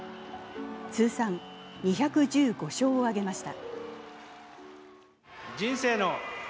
通算２１５勝を挙げました。